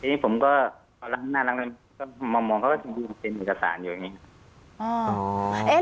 ทีนี้ผมก็น่ารักเลยก็มองเขาก็จริงเป็นเอกสารอยู่อย่างนี้